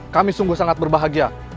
kami sungguh sangat berbahagia